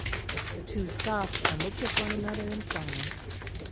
The two stopped and looked at one another in silence.